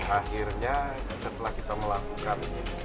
akhirnya setelah kita melakukan